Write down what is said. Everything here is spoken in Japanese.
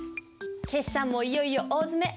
決算もいよいよ大詰め。